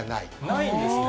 ないんですね。